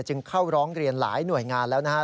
จึงเข้าร้องเรียนหลายหน่วยงานแล้วนะครับ